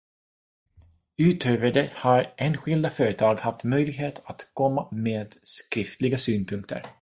Utöver det har enskilda företag haft möjlighet att komma med skriftliga synpunkter.